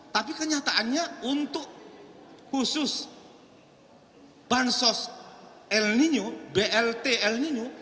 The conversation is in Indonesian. tapi kenyataannya untuk khusus bansos el nino blt el nino